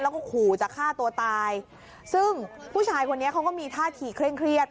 แล้วก็ขู่จะฆ่าตัวตายซึ่งผู้ชายคนนี้เขาก็มีท่าทีเคร่งเครียด